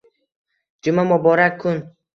Juma – muborak kun.